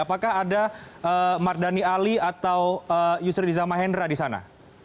apakah ada mardani ali atau yusri dizamahendra di sana